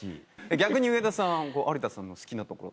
逆に上田さん有田さんの好きなとこは？